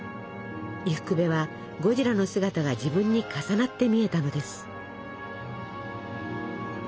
伊福部はゴジラの姿が自分に重なって見えたのです。